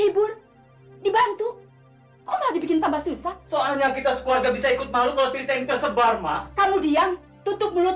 benar pak kades